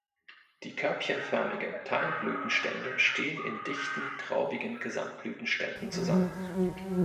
Die körbchenförmigen Teilblütenstände stehen in dichten traubigen Gesamtblütenständen zusammen.